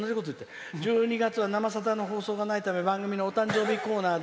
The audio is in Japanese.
１２月は「生さだ」の放送がないため番組のお誕生日コーナーで」。